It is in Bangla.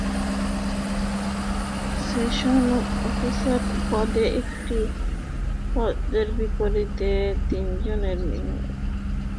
সেকশন অফিসার পদে একটি পদের বিপরীতে তিনজনের নিয়োগ চূড়ান্ত করা হয়।